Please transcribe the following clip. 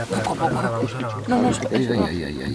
কিছু-কিছু আলো সে দেখতে পাচ্ছে।